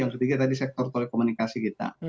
jadi kita di sektor telekomunikasi kita